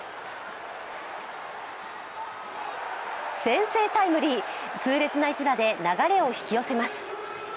先制タイムリー、痛烈な一打で流れを引き寄せます。